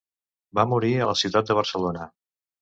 Va morir a la ciutat de Barcelona.